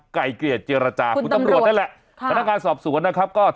ไก่เกลี่ยเจรจาคุณตำรวชได้ล่ะพนักการสอบสวนนะครับก็